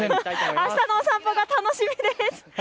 あしたのお散歩が楽しみです。